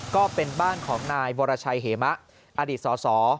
ก็เป็นบ้านของนายวรชัยเหมะอดีตสส